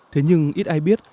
thế nhưng ít ai biết